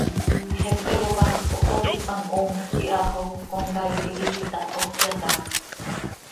Xepe cop anxö cohptaticpan, hoomjc iha xo comcaii tiquij itaho, cöyataaxa.